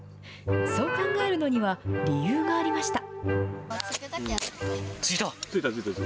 そう考えるのには理由がありました。